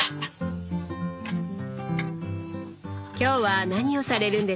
今日は何をされるんですか？